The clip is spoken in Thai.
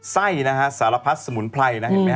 ไส้สารพัดสมุนไพร